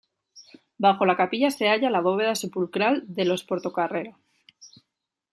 Bajo la capilla se halla la bóveda sepulcral de los Portocarrero.